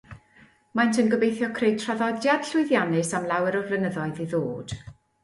Maent yn gobeithio creu traddodiad llwyddiannus am lawer o flynyddoedd i ddod.